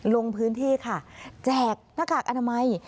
ลงพื้นที่ค่ะแจกหน้ากากอนามัย